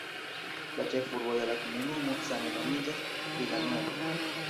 La ĉefurbo de la komunumo same nomiĝas "Villanueva".